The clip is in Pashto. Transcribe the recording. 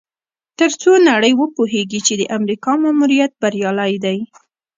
تر څو نړۍ وپوهیږي چې د امریکا ماموریت بریالی دی.